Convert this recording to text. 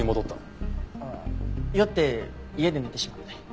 ああ酔って家で寝てしまって。